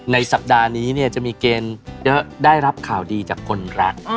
สัปดาห์นี้จะมีเกณฑ์ได้รับข่าวดีจากคนรัก